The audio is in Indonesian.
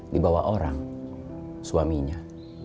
dibawa orang suaminya